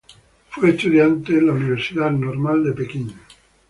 Fue estudiante en la Universidad Normal de Pekín.